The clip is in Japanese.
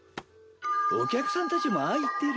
お客さんたちもああ言っている。